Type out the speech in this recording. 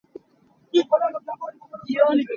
Hakha dawr ah piar an tam ko.